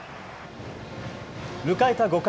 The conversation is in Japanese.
迎えた５回。